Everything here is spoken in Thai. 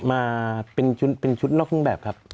มาเป็นชุดนอกเครื่องแบบครับ